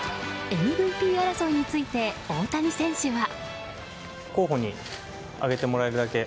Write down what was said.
ＭＶＰ争いについて大谷選手は。